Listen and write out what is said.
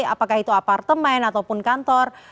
apakah itu apartemen ataupun kantor